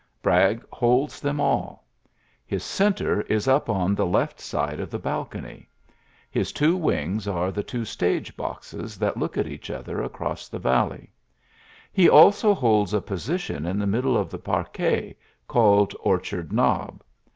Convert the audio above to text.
Bragg holds thi all. His centre is up on the left side the balcony : his two wings are the t stage boxes that look at each other acD the valley. He also holds a position the middle of the parquet, called ( chard Knob.